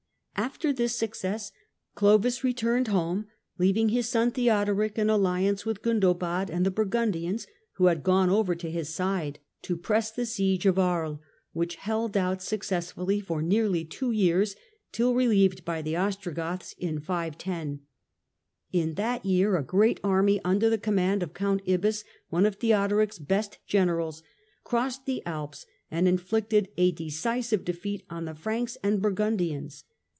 After this success Clovis returned home, leaving his son Theodoric, in alliance with Gundobad and the Burgundians, who had gone over to his side, to press the siege of Aries, which held out successfully for nearly two years, till relieved by the Ostrogoths in 510. In that year a great army, under the command of Count Ibbas, one of Theo doric's best generals, crossed the Alps and inflicted a decisive defeat on the Franks and Burgundians.